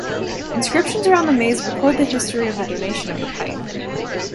Inscriptions around the maze record the history of the donation of the pipe.